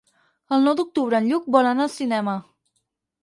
El nou d'octubre en Lluc vol anar al cinema.